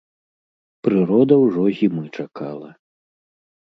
Прырода ўжо зімы чакала.